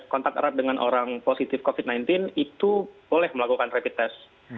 kontak erat dengan orang positif covid sembilan belas itu boleh melakukan rapid test